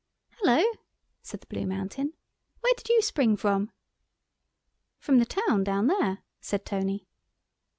"Hullo!" said the Blue Mountain, "where did you spring from?" "From the town down there," said Tony.